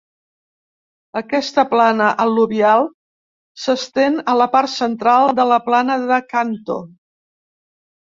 Aquesta plana al·luvial s'estén a la part central de la plana de Kanto.